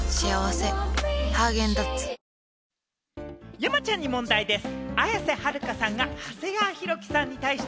山ちゃんに問題でぃす。